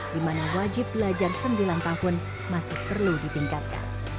di mana wajib belajar sembilan tahun masih perlu ditingkatkan